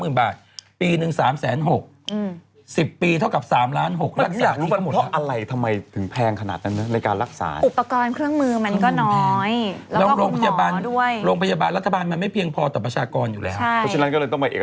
นางอาจจะอินเนี่ยเพราะนางเพิ่งไปวงสวงมาจากมหาศาลกรรม